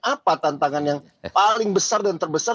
apa tantangan yang paling besar dan terbesar